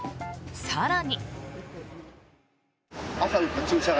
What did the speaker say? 更に。